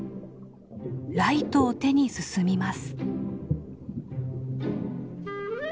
ライトを手に進みます。